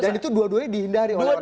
itu dua duanya dihindari oleh orang lain